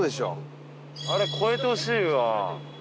あれ越えてほしいな。